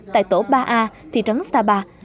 tại tổ ba a thị trấn sapa